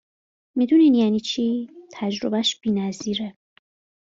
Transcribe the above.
میدونین یعنی چی؟ تجربهاش بینظیره!